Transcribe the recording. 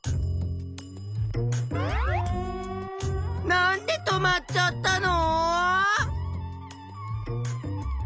なんで止まっちゃったの？